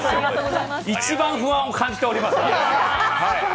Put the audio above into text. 一番不安を感じております。